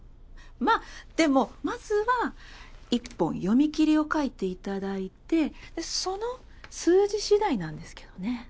まぁでもまずは１本読み切りを描いていただいてその数字しだいなんですけどね。